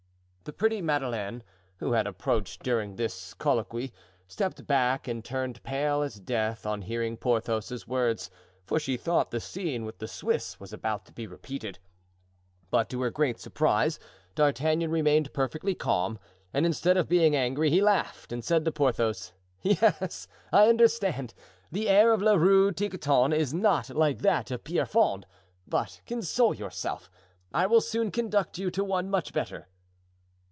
The pretty Madeleine, who had approached during this colloquy, stepped back and turned pale as death on hearing Porthos's words, for she thought the scene with the Swiss was about to be repeated. But to her great surprise D'Artagnan remained perfectly calm, and instead of being angry he laughed, and said to Porthos: "Yes, I understand, the air of La Rue Tiquetonne is not like that of Pierrefonds; but console yourself, I will soon conduct you to one much better."